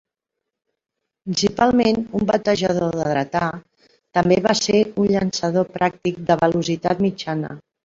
Principalment un batejador dretà, també va ser un llançador practic de velocitat mitjana.